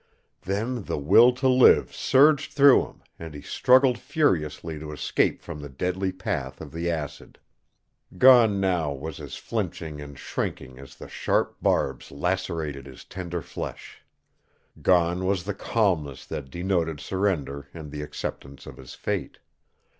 Then the will to live surged through him and he struggled furiously to escape from the deadly path of the acid. Gone now was his flinching and shrinking as the sharp barbs lacerated his tender flesh. Gone was the calmness that denoted surrender and the acceptance of his fate.